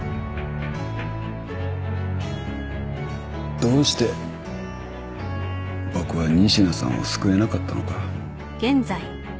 どうして僕は仁科さんを救えなかったのか。